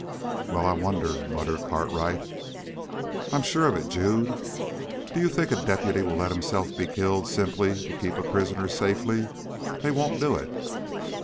"Well, I wonder!" muttered Cartwright. "I'm sure of it, Jude. Do you think a deputy will let himself be killed simply to keep a prisoner safely? They won't do it!"